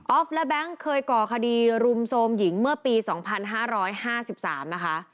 และแบงค์เคยก่อคดีรุมโทรมหญิงเมื่อปี๒๕๕๓นะคะ